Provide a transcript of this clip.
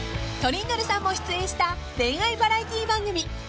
［トリンドルさんも出演した恋愛バラエティー番組］